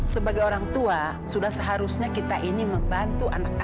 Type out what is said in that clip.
sebagai orang tua sudah seharusnya kita ini membantu anak anak